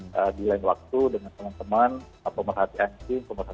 di lain waktu dengan teman teman pemerhatian anjing pemerhatian binatang kota semarang dan sekitar